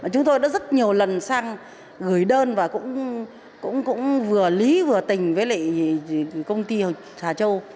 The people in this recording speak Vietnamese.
chúng tôi đã rất nhiều lần sang gửi đơn và cũng vừa lý vừa tình với lại công ty hà châu